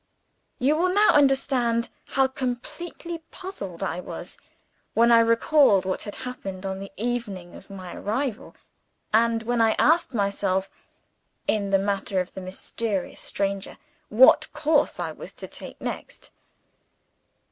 You will now understand how completely puzzled I was when I recalled what had happened on the evening of my arrival, and when I asked myself in the matter of the mysterious stranger what course I was to take next.